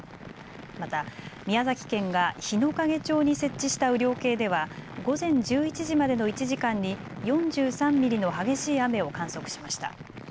また宮崎県が日之影町に設置した雨量計では午前１１時までの１時間に４３ミリの激しい雨を観測しました。